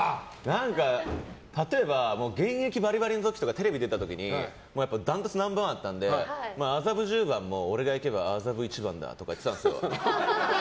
何か、例えば現役バリバリの時とかテレビに出てた時にダントツナンバー１だったので麻布十番も俺が行けば麻布一番だとか言ってたんですよ。